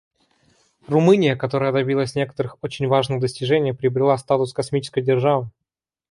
Румыния, которая добилась некоторых очень важных достижений, приобрела статус космической державы.